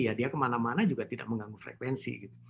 ya dia kemana mana juga tidak mengganggu frekuensi gitu